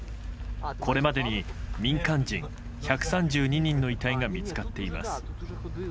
これまでに民間人１３２人の遺体が見つかっています。